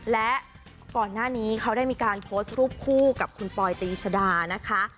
และก่อนหน้านี้เขาได้มีการโพสต์รูปคู่กับคุณปอยตีชดานะคะ